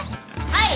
はい。